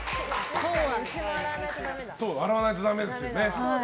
洗わないとだめですよね。